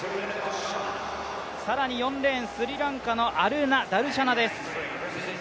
更に４レーンスリランカのアルナ・ダルシャナです。